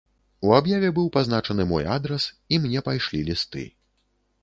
У аб'яве быў пазначаны мой адрас, і мне пайшлі лісты.